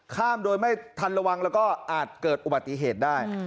ข้ามโดยไม่ทันระวังแล้วก็อาจเกิดอุบัติเหตุได้